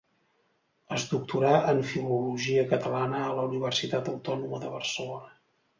Es doctorà en Filologia Catalana a la Universitat Autònoma de Barcelona.